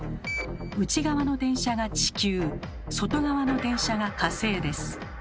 内側の電車が地球外側の電車が火星です。